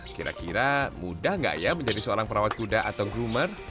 kira kira mudah nggak ya menjadi seorang perawat kuda atau groomer